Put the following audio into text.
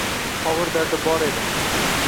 Og’ir dardi bor edi.